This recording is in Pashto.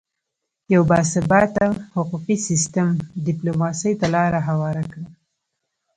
یو باثباته حقوقي سیستم ډیپلوماسي ته لاره هواره کړه